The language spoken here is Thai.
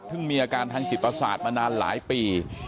ซึ่งมีอาการทางจิตประสาทมานานหลายปี